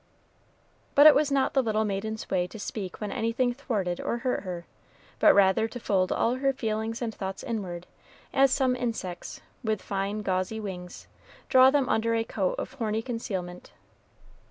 But it was not the little maiden's way to speak when anything thwarted or hurt her, but rather to fold all her feelings and thoughts inward, as some insects, with fine gauzy wings, draw them under a coat of horny concealment.